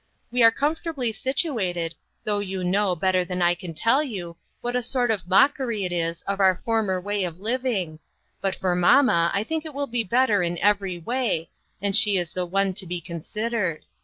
We are comforta bly situated, though you know, better than I can tell you, what a sort of mockery it is of our former way of living , but for mamma I think it will be better in every way, and she is the one to be considered.